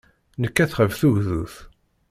Nekkat ɣef tugdut.